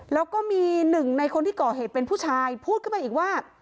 แล้วก็มีหนึ่งในคนที่ก่อเหตุเป็นผู้ชายพูดขึ้นมาอีกว่า